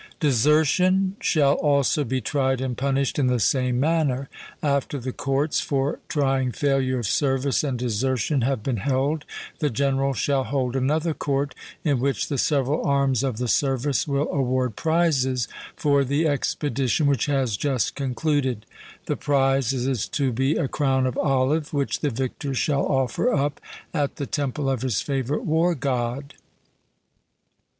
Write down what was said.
Desertion shall also be tried and punished in the same manner. After the courts for trying failure of service and desertion have been held, the generals shall hold another court, in which the several arms of the service will award prizes for the expedition which has just concluded. The prize is to be a crown of olive, which the victor shall offer up at the temple of his favourite war God...